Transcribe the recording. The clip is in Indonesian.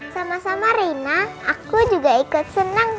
sama sama rina aku juga ikut senang